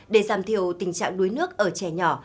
để giảm thiểu tình trạng đuối nước ở trẻ nhỏ